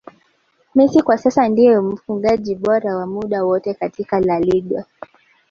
Messi kwa sasa ndiye mfungaji bora wa muda wote katika La Liga